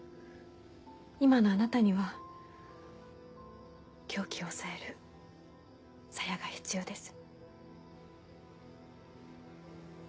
今のあなたには狂気を抑える鞘が必要です。